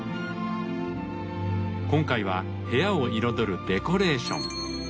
今回は部屋を彩るデコレーション。